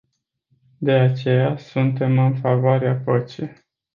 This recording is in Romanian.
De aceea suntem în favoarea păcii.